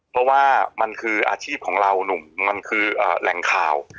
เพราะว่ามันคืออาชีพของเราหนุ่มมันคือแหล่งข่าว